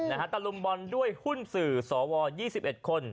ตะลุมบอลด้วยหุ้นสื่อสว๒๑คน